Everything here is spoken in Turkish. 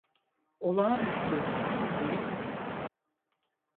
Olağanüstü, değil mi?